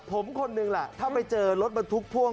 ผมคนหนึ่งล่ะถ้าไปเจอรถบรรทุกพ่วง